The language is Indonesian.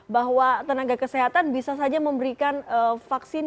bahwa tenaga kesehatan bisa saja memberikan vaksin